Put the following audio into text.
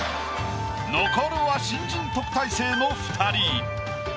残るは新人特待生の２人。